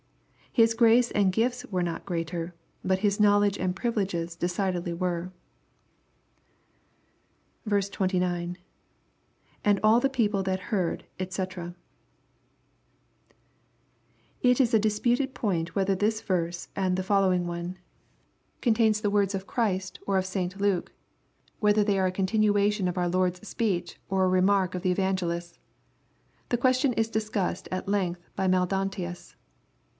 His grace and gifts were not greater, but his knowledge and privileges de cidedly were. 29. — [And aM the people that heardj &c,] It is a disputed point whether this I3rs3 and the following one contains the words of LUKE, CHAP. VII. 227 Christ or of St. Luke, wheiher tliey are a continuation of our Lord*a speech or a remark of the Evangelist's. The question is discussed at length by Maldonatus.